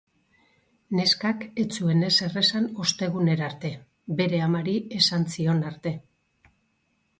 Neskak ez zuen ezer esan ostegunera arte, bere amari esan zion arte.